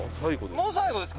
「もう最後ですか？